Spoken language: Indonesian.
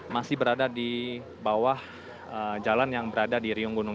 masih berada di bawah jalan yang berada di riung gunung